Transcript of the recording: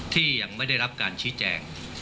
ที่ยังไม่ได้รับการชี้แจง